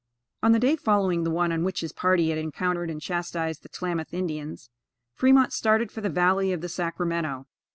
On the day following the one on which his party had encountered and chastised the Tlamath Indians, Fremont started for the Valley of the Sacramento.